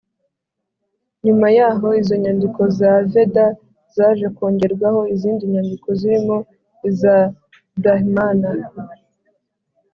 nyuma yaho izo nyandiko za veda zaje kongerwaho izindi nyandiko, zirimo iza brahmana